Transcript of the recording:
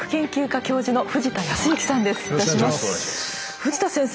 藤田先生